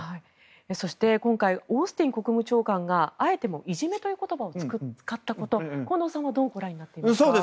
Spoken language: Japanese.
そして、今回オースティン国防長官があえていじめという言葉を使ったこと近藤さんはどうご覧になっていますか？